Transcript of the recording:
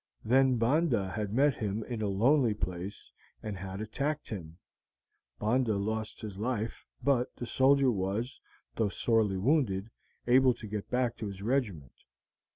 Then Bondah had met him in a lonely place, and had attacked him. Bondah had lost his life, but the soldier was, though sorely wounded, able to get back to his regiment.